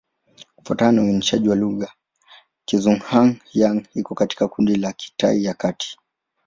Kufuatana na uainishaji wa lugha, Kizhuang-Yang iko katika kundi la Kitai ya Kati.